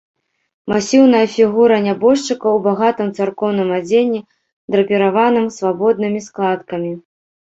Масіўная фігура нябожчыка у багатым царкоўным адзенні, драпіраваным свабоднымі складкамі.